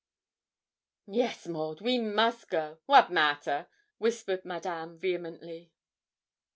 'Yes, Maud, we must go wat matter?' whispered Madame vehemently.